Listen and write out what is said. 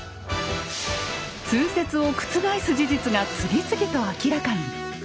通説を覆す事実が次々と明らかに。